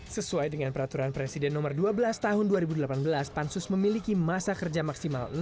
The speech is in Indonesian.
sesuai dengan peraturan presiden nomor dua belas tahun dua ribu delapan belas pansus memiliki masa kerja maksimal